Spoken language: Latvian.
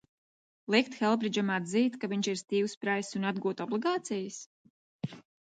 Likt Helbridžam atzīt, ka viņš ir Stīvs Praiss, un atgūt obligācijas?